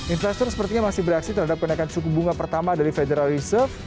investor sepertinya masih bereaksi terhadap kenaikan suku bunga pertama dari federal reserve